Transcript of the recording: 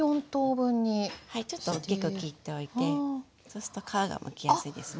はいちょっとおっきく切っておいてそうすると皮がむきやすいですね。